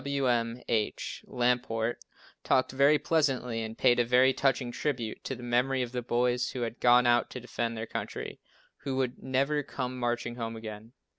Wm. H. Lamport talked very pleasantly and paid a very touching tribute to the memory of the boys, who had gone out to defend their country, who would never come "marching home again."